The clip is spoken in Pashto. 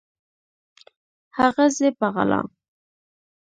هغه زه په غلا